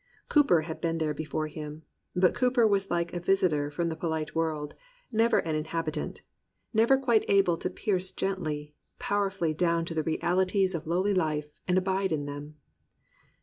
Cowper had been there before him; but Cow per was like a visitor from the polite world, never an inhabitant, never quite able to pierce gently, power fully down to the realities of lowly life and abide in them.